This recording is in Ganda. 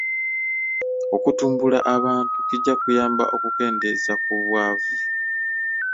Okutumbula abantu kijja kuyamba okukendeeza ku bwavu.